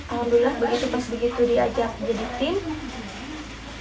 alhamdulillah begitu pas begitu diajak jadi tim